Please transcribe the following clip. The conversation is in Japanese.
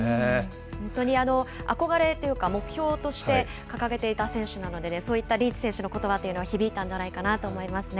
本当に憧れというか、目標として掲げていた選手なのでね、そういったリーチ選手のことばというのは響いたんじゃないかなと思いますね。